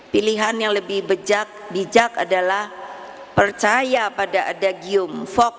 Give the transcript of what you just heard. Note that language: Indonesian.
pilihan yang lebih bijak adalah percaya pada adagium